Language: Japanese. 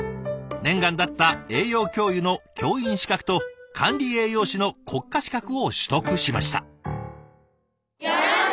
念願だった栄養教諭の教員資格と管理栄養士の国家資格を取得しました。